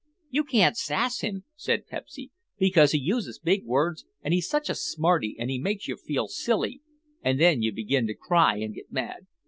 "You can't sass him," said Pepsy, "because he uses big words and he's such a smarty and he makes you feel silly and then you begin to cry and get mad.